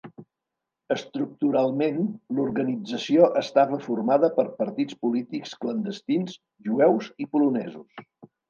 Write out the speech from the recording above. Estructuralment, l'organització estava formada per partits polítics clandestins jueus i polonesos.